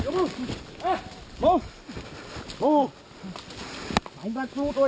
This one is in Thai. โม่ไหลบัตรพลูดด้วย